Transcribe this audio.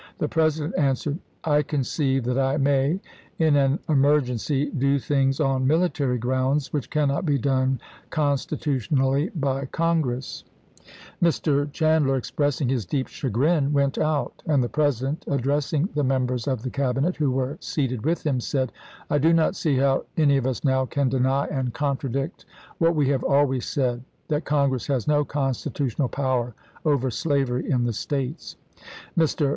The President answered :" I conceive that I may in an emergency do things on military grounds which cannot be done constitutionally by Congress." THE WADE DAVIS MANIFESTO 121 Mr. Chandler, expressing his deep chagrin, went out, chap. v. and the President, addressing the members of the ism. Cabinet who were seated with him, said: "I do not see how any of us now can deny and contradict what we have always said, that Congress has no constitutional power over slavery in the States." Mr.